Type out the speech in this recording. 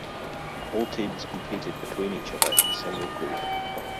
All teams competed between each other in a single group.